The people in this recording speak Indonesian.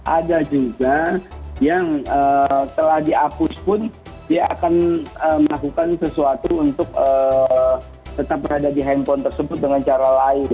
ada juga yang telah dihapus pun dia akan melakukan sesuatu untuk tetap berada di handphone tersebut dengan cara lain